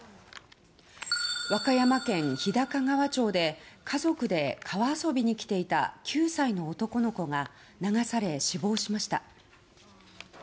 和歌山県日高川町で家族で川遊びに来ていた９歳の男の子が流され死亡しました。